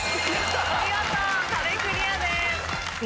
見事壁クリアです。